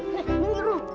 nih minggir lu